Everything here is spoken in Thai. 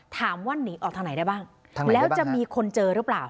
ถามว่าหนีออกทางไหนได้บ้างแล้วจะมีคนเจอหรือเปล่า